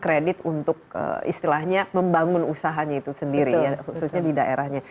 kredit untuk istilahnya membangun usahanya itu sendiri ya khususnya di daerahnya